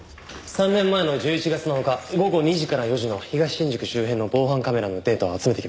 ３年前の１１月７日午後２時から４時の東新宿周辺の防犯カメラのデータを集めてきました。